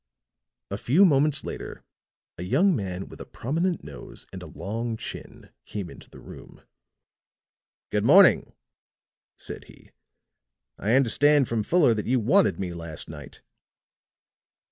A few moments later a young man with a prominent nose and a long chin came into the room. "Good morning," said he. "I understand from Fuller that you wanted me last night."